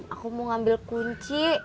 aku mau ngambil kunci